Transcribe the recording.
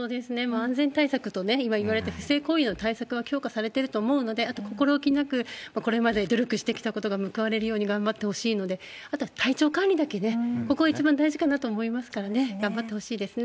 安全対策とね、今言われた不正行為の対策は強化されてると思うので、あと心置きなく、これまで努力してきたことが報われるように頑張ってほしいので、あとは体調管理だけね、ここ一番大事かなと思いますからね、頑張ってほしいですね。